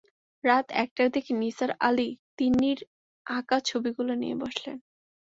রাত একটার দিকে নিসার আলি তিন্নির আঁকা ছবিগুলি নিয়ে বসলেন।